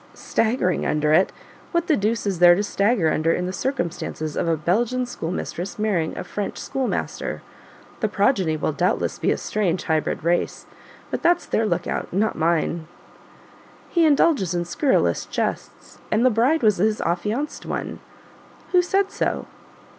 "Staggering under it? What the deuce is there to stagger under in the circumstance of a Belgian schoolmistress marrying a French schoolmaster? The progeny will doubtless be a strange hybrid race; but that's their look out not mine." "He indulges in scurrilous jests, and the bride was his affianced one!" "Who said so?"